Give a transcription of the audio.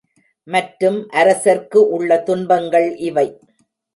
மற்றும் அரசர்க்கு உள்ள துன்பங்கள் இவை.